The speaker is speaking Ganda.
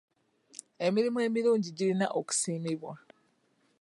Emirimu emirungi girina okusiimibwa.